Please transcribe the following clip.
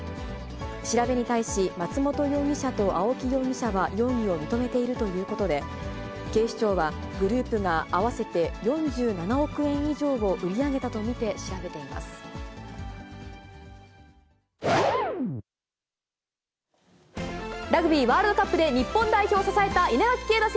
調べに対し松本容疑者と青木容疑者は容疑を認めているということで、警視庁はグループが合わせて４７億円以上を売り上げたと見て調べ本日は、スペシャルゲストにお越しいただきました。